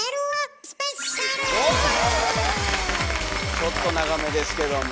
ちょっと長めですけども。